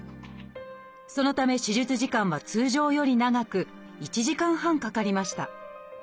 そのため手術時間は通常より長く１時間半かかりました。